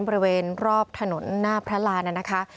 บริเวณรอบถนนหน้าพระรานนะคะ